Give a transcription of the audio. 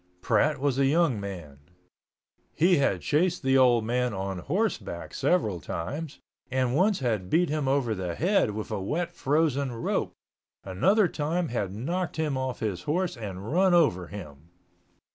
Pratt was a young man. He had chased the old man on horseback several times and once had beat him over the head with a wet frozen rope, another time had knocked him off his horse and run over him.